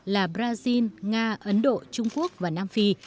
là brazil nga ấn độ trung quốc và nam phi